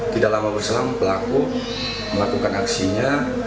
tidak lama berselang pelaku melakukan aksinya